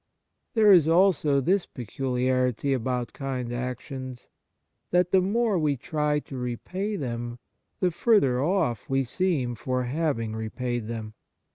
There is also this peculiarity about kind actions, that the more we try to repay them, the further off we seem for having repaid them.